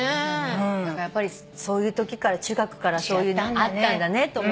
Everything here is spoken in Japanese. だからやっぱりそういうときから中学からそういうのあったんだねと思って。